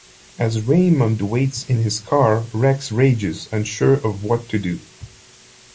As Raymond waits in the car, Rex rages, unsure of what to do.